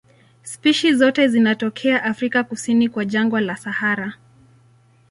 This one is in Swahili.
Spishi zote zinatokea Afrika kusini kwa jangwa la Sahara.